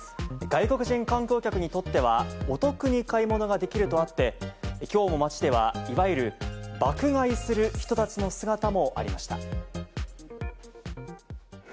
外国人観光客にとってはお得に買い物ができるとあって、きょうも街では、いわゆる爆買いする人たちの姿もありました。